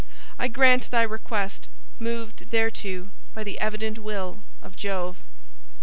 I grant thy request, moved thereto by the evident will of Jove."